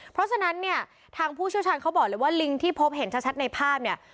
เพราะฉะนั้นเนี่ยทางผู้เชี่ยวชาญเขาบอกเลยว่าลิงที่พบเห็นชัดในภาพเนี่ย